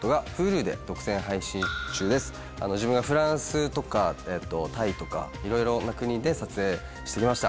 フランスとかタイとかいろいろな国で撮影してきました。